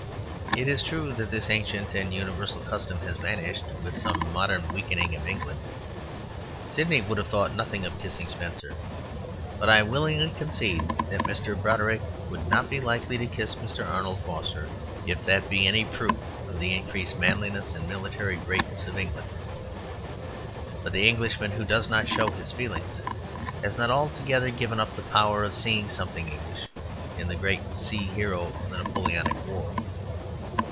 It is true that this ancient and universal custom has vanished with the modern weakening of England. Sydney would have thought nothing of kissing Spenser. But I willingly concede that Mr. Broderick would not be likely to kiss Mr. Arnold Foster, if that be any proof of the increased manliness and military greatness of England. But the Englishman who does not show his feelings has not altogether given up the power of seeing something English in the great sea hero of the Napoleonic war.